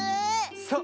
そう。